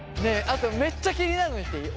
あとめっちゃ気になるの言っていい？